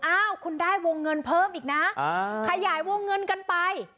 อ้าวคุณได้วงเงินเพิ่มอีกนะขยายวงเงินกันไป